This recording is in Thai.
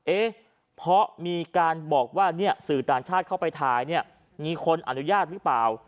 เอ๊ะเพราะมีการบอกว่าเนี่ยสื่อต่างชาติเข้าไปถ่ายเนี่ยมีคนอนุญาตหรือเปล่า